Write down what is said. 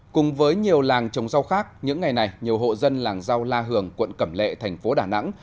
cùng với nhiều làng trồng rau khác những ngày này nhiều hộ dân làng rau la hường quận cẩm lệ thành phố đà nẵng